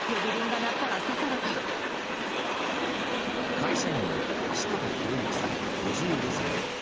会社員の四方洋行さん、５５歳。